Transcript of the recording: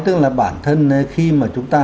tức là bản thân khi mà chúng ta